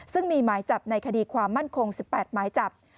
ซึ่งมีหมายจับในคดีความมั่นคง๑๘หมายจับ